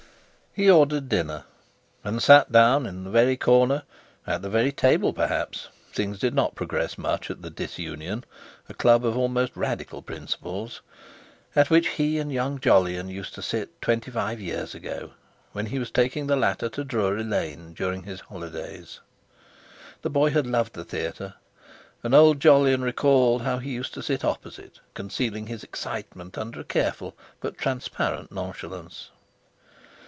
He ordered dinner, and sat down in the very corner, at the very table perhaps! (things did not progress much at the "Disunion," a Club of almost Radical principles) at which he and young Jolyon used to sit twenty five years ago, when he was taking the latter to Drury Lane, during his holidays. The boy had loved the theatre, and old Jolyon recalled how he used to sit opposite, concealing his excitement under a careful but transparent nonchalance.